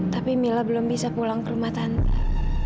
tapi mila belum bisa pulang ke rumah tangga